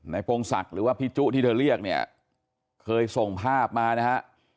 พงศักดิ์หรือว่าพี่จุที่เธอเรียกเนี่ยเคยส่งภาพมานะฮะ